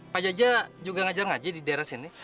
pak jaja juga ngajar ngaji di daerah sini